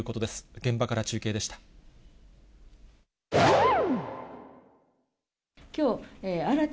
現場から中継でした。